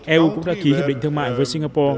eu cũng đã ký hiệp định thương mại với singapore